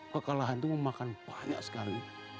kekalahan itu memakan banyak sekali